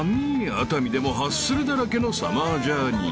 熱海でもハッスルだらけのサマージャーニー］